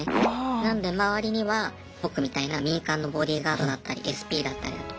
なので周りには僕みたいな民間のボディーガードだったりＳＰだったりだとか。